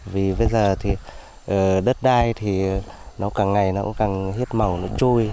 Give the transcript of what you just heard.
vì bây giờ thì đất đai thì nó càng ngày nó cũng càng hiếp màu nó trôi